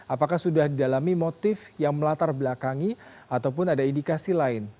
apakah sudah didalami motif yang melatar belakangi ataupun ada indikasi lain